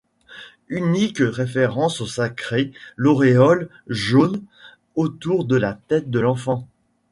Unique référence au sacré, l'auréole jaune autour de la tête de l'enfant.